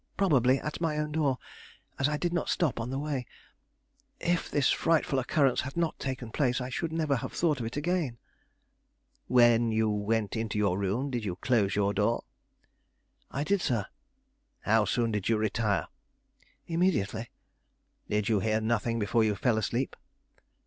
Probably at my own door, as I did not stop on the way. If this frightful occurrence had not taken place I should never have thought of it again." "When you went into your room did you close your door?" "I did, sir." "How soon did you retire?" "Immediately." "Did you hear nothing before you fell asleep?"